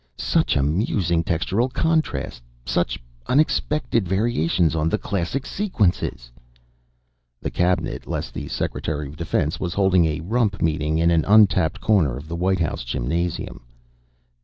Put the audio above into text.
Such amusing textural contrast! Such unexpected variations on the classic sequences! The Cabinet, less the Secretary of Defense, was holding a rump meeting in an untapped corner of the White House gymnasium.